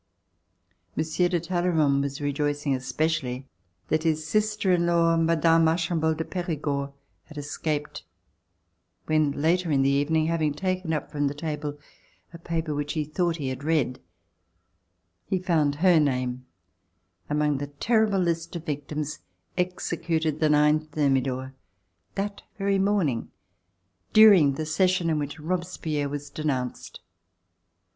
Monsieur de Talleyrand was rejoicing especially that his sister in law, Mme. Archambauld de Peri gord, had escaped, when, later in the evening, having taken up from the table a paper which he thought he had read, he found her name among the terrible [201 ] RECOLLECTIONS OF THE REVOLUTION list of victims executed the 9 Thermidor, that very morning, during the session in which Robespierre was denounced.